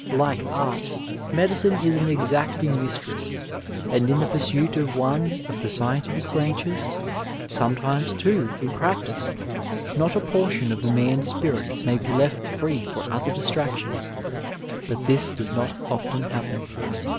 Like art, medicine is an exacting mistress, and in the pursuit of one of the scientific branches, sometimes, too, in practice, not a portion of a man's spirit may be left free for other distractions, but this does not often happen.